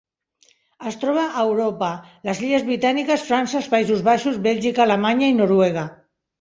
Es troba a Europa: les illes Britàniques, França, els Països Baixos, Bèlgica, Alemanya i Noruega.